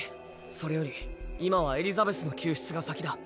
それより今はエリザベスの救出が先だ。